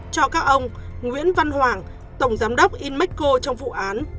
cho các ông nguyễn văn hoàng tổng giám đốc inmeco trong vụ án